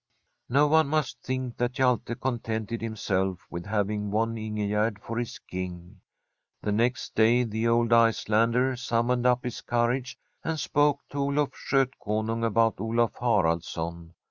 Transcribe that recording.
No one must think that Hjalte contented him self with having won Ingegerd for his Kine. The next day the old Icelander summoned up his courage and spoke to Oluf Skotkonung about Olaf Haraldsson.